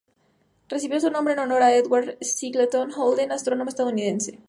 Recibió su nombre en honor a Edward Singleton Holden, astrónomo estadounidense.